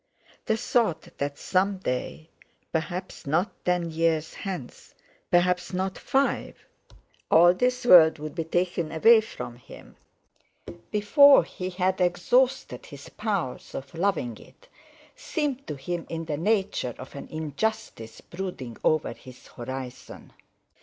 The thought that some day—perhaps not ten years hence, perhaps not five—all this world would be taken away from him, before he had exhausted his powers of loving it, seemed to him in the nature of an injustice brooding over his horizon.